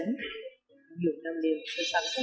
nhiều năm đêm điếu tá tiên